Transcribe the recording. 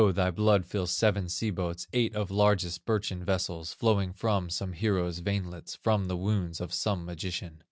thy blood fills seven sea boats, Eight of largest birchen vessels, Flowing from some hero's veinlets, From the wounds of some magician.